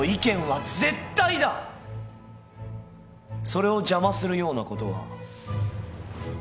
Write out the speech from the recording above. それを邪魔するようなことは。